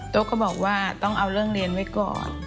ก็บอกว่าต้องเอาเรื่องเรียนไว้ก่อน